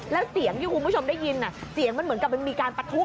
แล้วเสียงที่คุณผู้ชมได้ยินเสียงมันเหมือนกับมันมีการปะทุ